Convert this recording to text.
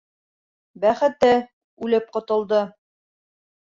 Бәхете - үлеп ҡотолдо.